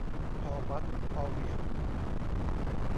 พอวัดพอเหวี่ยง